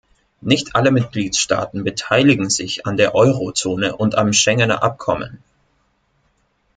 Nicht alle Mitgliedstaaten beteiligen sich an der Eurozone und am Schengener Abkommen.